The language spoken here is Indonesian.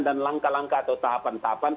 dan langkah langkah atau tahapan tahapan